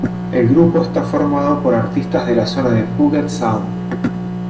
El grupo está formado por artistas de la zona de Puget Sound.